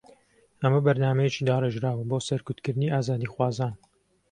ئەمە بەرنامەیەکی داڕێژراوە بۆ سەرکوتکردنی ئازادیخوازان